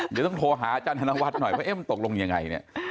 เดี๋ยวต้องโทรหาอาจารย์ธนวัตรหน่อยเพราะว่ามันตกลงอย่างไร